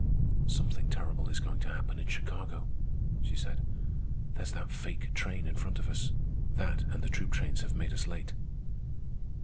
"Something terrible is going to happen in Chicago," she said. "There's that fake train in front of us. That and the troop trains have made us late."